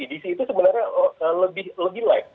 dc itu sebenarnya lebih light